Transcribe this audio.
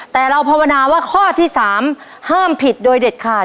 แต่เราภาวนาว่าข้อที่๓ห้ามผิดโดยเด็ดขาด